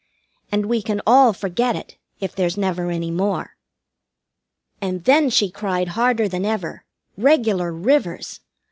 And we can all forget it, if there's never any more." And then she cried harder than ever. Regular rivers.